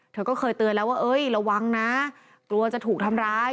เธอก็เคยเตือนแล้วว่าเอ้ยระวังนะกลัวจะถูกทำร้าย